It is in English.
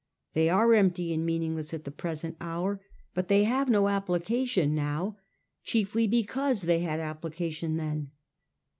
They are empty and meaningless at the present hour ; but they have no application now chiefly because they had applica tion then.